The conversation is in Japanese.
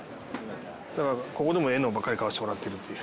ここでもええのばっかり買わしてもらってるっていう。